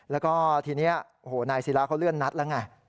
แล้วก็ทีนี้นายซีระเขาเลื่อนนัดแล้วไง